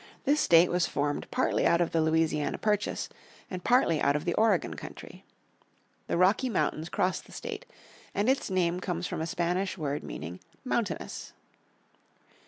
This state was formed partly out of the Louisiana Purchase, and partly out of the Oregon country. The Rocky Mountains cross the state, and its name comes from a Spanish word meaning "mountainous."